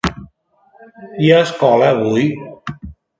Hi ha escola avui?